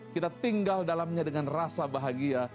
kita tinggal dalamnya dengan rasa bahagia